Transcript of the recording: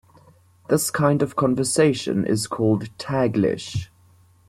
This kind of conversation is called Taglish.